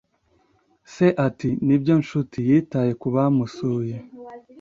Se ati: "Nibyo, nshuti", yitaye ku bamusuye.